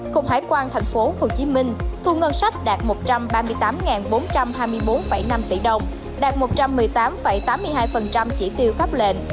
cục hải quan tp hcm thu ngân sách đạt một trăm ba mươi tám bốn trăm hai mươi bốn năm tỷ đồng đạt một trăm một mươi tám tám mươi hai chỉ tiêu pháp lệnh